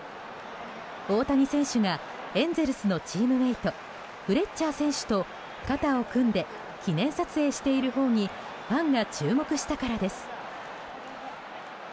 大谷選手がエンゼルスのチームメートフレッチャー選手と肩を組んで記念撮影しているほうにファンが注目したからです。